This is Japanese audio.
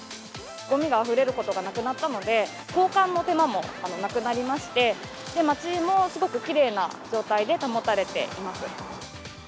ごみがあふれることがなくなったので、交換の手間もなくなりまして、街もすごくきれいな状態で保たれています。